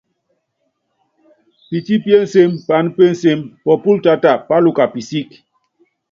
Pití pí ensem paán pé ensem, pópól táta páluka pisík.